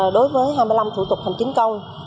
đối với hai mươi năm thủ tục hành chính công